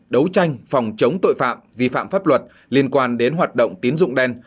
đấu tranh phòng chống tội phạm vi phạm pháp luật liên quan đến hoạt động tín dụng đen